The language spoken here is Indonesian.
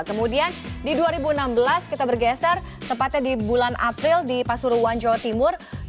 kemudian di dua ribu enam belas kita bergeser tepatnya di bulan april di pasuruan jawa timur